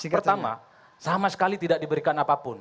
pertama sama sekali tidak diberikan apapun